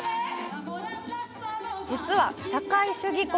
実は、社会主義国